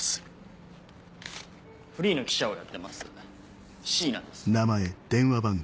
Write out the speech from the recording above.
フリーの記者をやってます椎名です。